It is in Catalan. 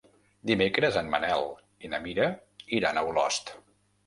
Dimecres en Manel i na Mira iran a Olost.